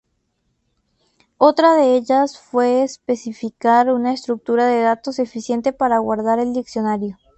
Otra de ellas fue especificar una estructura de datos eficiente para guardar el diccionario.